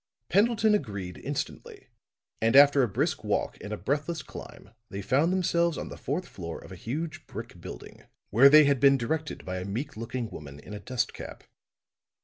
Pendleton agreed instantly; and after a brisk walk and a breathless climb, they found themselves on the fourth floor of a huge brick building where they had been directed by a meek looking woman in a dust cap.